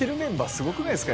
すごくないですか？